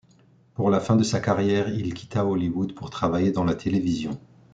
Pour la fin de sa carrière, il quitta Hollywood pour travailler dans la télévision.